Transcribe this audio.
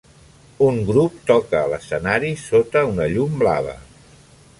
Un grup toca a l'escenari sota una llum blava